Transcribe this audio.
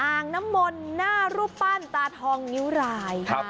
อางนมณ์หน้ารูปป้านตาทองนิ้วหลาย